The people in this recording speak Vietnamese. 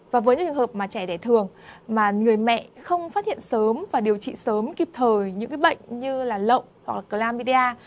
và với những trường hợp mà trẻ đẻ thường mà người mẹ không phát hiện sớm và điều trị sớm kịp thời những bệnh như là lộng hoặc là clamida